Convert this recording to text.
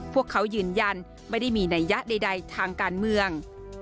พวกเขายืนยันไม่ได้มีนัยยะใดทางการเมือง